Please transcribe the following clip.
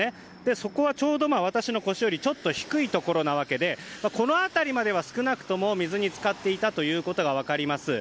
そこはちょうど私の腰よりちょっと低いところでこの辺りまでは少なくとも水に浸かっていたことが分かります。